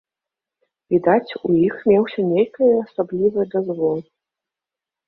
Відаць, у іх меўся нейкае асаблівае дазвол.